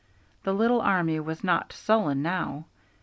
The little army was not sullen now.